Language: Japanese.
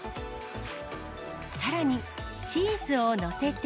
さらに、チーズを載せて、